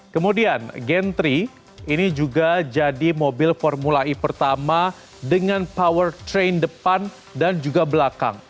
kemudian gentry ini juga jadi mobil formula e pertama dengan power train depan dan juga belakang